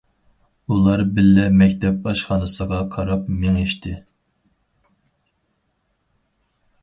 ئۇلار بىللە مەكتەپ ئاشخانىسىغا قاراپ مېڭىشتى.